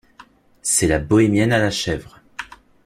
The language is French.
C’est la bohémienne à la chèvre.